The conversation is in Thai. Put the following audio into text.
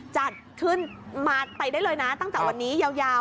จัดขึ้นมาไปได้เลยนะตั้งแต่วันนี้ยาว